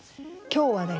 今日はね